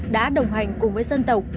đã đồng hành cùng với dân tộc